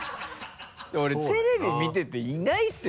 俺テレビ見てていないですよ。